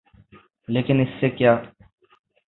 لیکن اس سے کیا؟